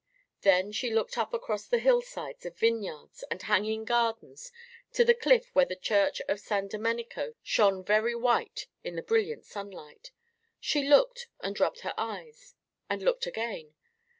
Then she looked up across the hillsides of vineyards and hanging gardens to the cliff where the Church of San Domenico shone very white in the brilliant sunlight. She looked, and rubbed her eyes, and looked again.